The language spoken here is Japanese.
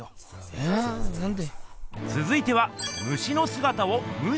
えぇなんで？